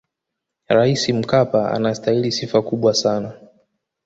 raisi mkapa anasitahili sifa kubwa sana